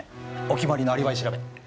お決まりのアリバイ調べ。